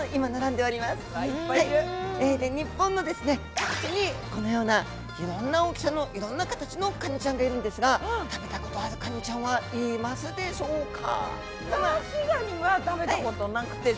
各地にこのようないろんな大きさのいろんな形のカニちゃんがいるんですが食べたことあるカニちゃんはいますでしょうか？